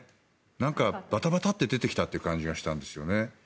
なんか、バタバタッと出てきたという感じがしたんですよね。